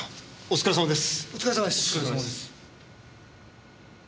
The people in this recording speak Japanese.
お疲れさまです。